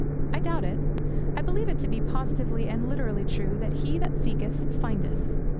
I doubt it. I believe it to be positively and literally true that he that seeketh, findeth.